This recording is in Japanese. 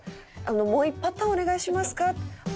「もう１パターンお願いしますか？」。